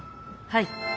はい。